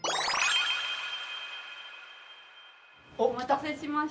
お待たせしました。